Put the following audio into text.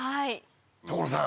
所さん。